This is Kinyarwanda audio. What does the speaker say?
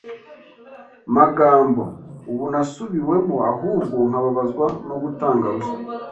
magambo, ubu nasubiwemo, ahubwo nkababazwa no gutanga ruswa.